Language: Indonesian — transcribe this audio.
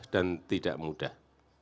dan tidak mudah